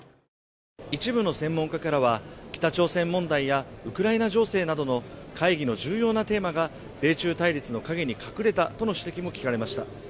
一部の専門家からは北朝鮮問題やウクライナ情勢などの会議の重要なテーマが米中対立の陰に隠れたとの指摘も聞かれました。